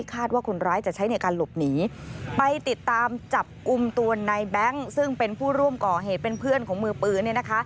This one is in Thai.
ก็ใช้ในการหลบหนีไปติดตามจับกุมตัวนายแบงค์ซึ่งเป็นผู้ร่วมก่อเหตุเป็นเพื่อนของมือปืน